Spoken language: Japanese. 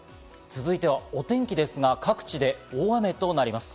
続いてはお天気ですが、各地で大雨となります。